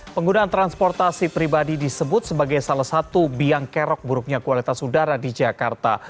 penggunaan transportasi pribadi disebut sebagai salah satu biang kerok buruknya kualitas udara di jakarta